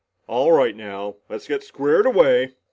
"All right now! Let's get squared away!"